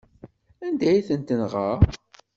Anda ay tent-tenɣa?